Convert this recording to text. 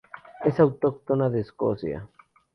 Es autóctona de Escocia.